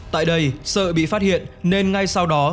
tại đây sợ bị phát hiện nên ngay sau đó